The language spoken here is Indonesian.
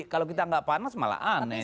kalau kita nggak panas malah aneh